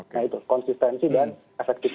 nah itu konsistensi dan efektivitas dari stimulus